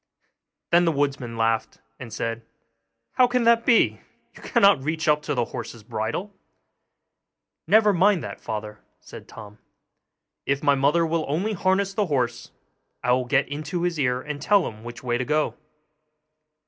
Then the woodman laughed, and said, 'How can that be? you cannot reach up to the horse's bridle.' 'Never mind that, father,' said Tom; 'if my mother will only harness the horse, I will get into his ear and tell him which way to go.